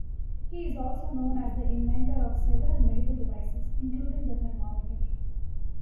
He is also known as the inventor of several medical devices, including the thermometer.